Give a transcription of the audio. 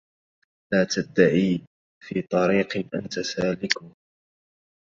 لا تدعي في طريق أنت سالكه